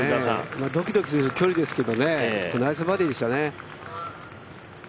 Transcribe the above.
ドキドキする距離ですけれども、ナイスバーディーでしたね。